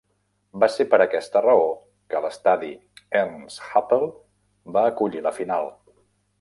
Va ser per aquesta raó que l'estadi Ernst-Happel va acollir la final.